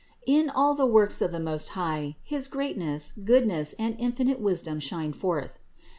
In all the works of the Most High his greatness, goodness and infinite wisdom shine forth.